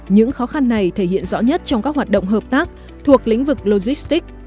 những khó khăn này thể hiện rõ nhất trong các hoạt động hợp tác thuộc lĩnh vực logistics